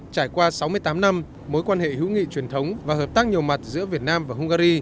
trải qua sáu mươi tám năm mối quan hệ hữu nghị truyền thống và hợp tác nhiều mặt giữa việt nam và hungary